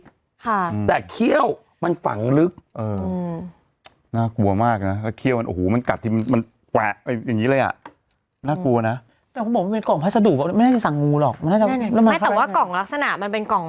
อุ๊ยแต่ว่างูหลามอะเขี้ยวมันแข็งแรงอ่ะครับ